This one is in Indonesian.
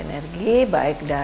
leng ya cheese